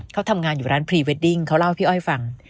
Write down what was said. เขาทำงานอยู่ร้านพรีเวดดิ้งเขาเล่าให้พี่อ้อยฟัง